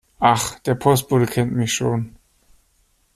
Ach, der Postbote kennt mich schon.